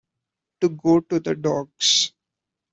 To go to the dogs